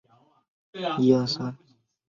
瓦谢雷。